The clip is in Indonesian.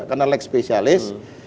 karena leg spesialis